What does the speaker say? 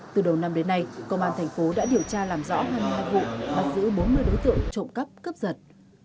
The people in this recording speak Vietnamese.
từ đầu năm đến nay công an thành phố đã điều tra làm rõ hai mươi hai vụ bắt giữ bốn mươi đối tượng trộm cắp cướp giật